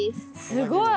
すごい！